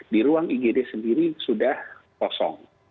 di ruang igd sendiri sudah kosong